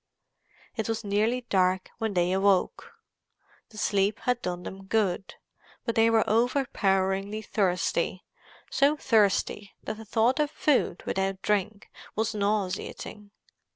It was nearly dark when they awoke. The sleep had done them good, but they were overpoweringly thirsty—so thirsty that the thought of food without drink was nauseating.